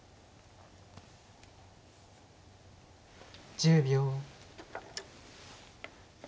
１０秒。